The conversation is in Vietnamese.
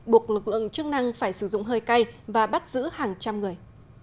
buộc lực lượng chức năng phải sử dụng hơi cay và bắt giữ hàng trăm người